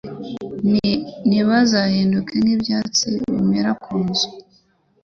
Nibahinduke nk’ibyatsi bimera ku nzu